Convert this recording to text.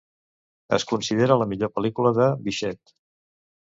Es considera la millor pel·lícula de Vichet.